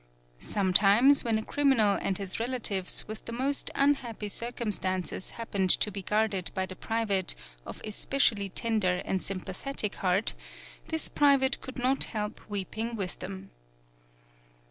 Sometimes, when a criminal and his relatives with the most unhappy circumstances hap pened to be guarded hy the private of especially tender and sympathetic heart, this private could not help weep ing with them.